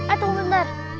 ah tunggu sebentar